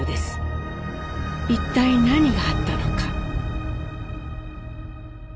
一体何があったのか？